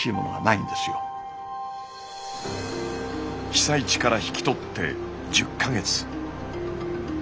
被災地から引き取って１０か月。